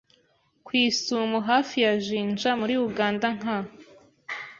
ku Isumo hafi ya Jinja muri Ugandanka